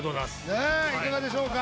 ねえいかがでしょうか？